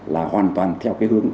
là hoàn toàn theo cái hướng